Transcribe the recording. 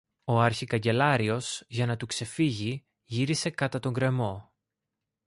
ο αρχικαγκελάριος, για να του ξεφύγει, γύρισε κατά τον γκρεμό